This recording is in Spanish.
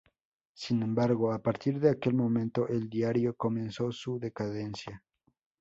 Sin embargo, a partir de aquel momento el diario comenzó su decadencia.